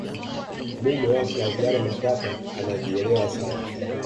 mume wa flaviana matata anaejielewa sana